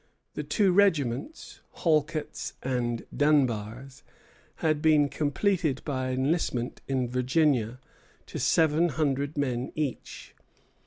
The two regiments, Halket's and Dunbar's, had been completed by enlistment in Virginia to seven hundred men each.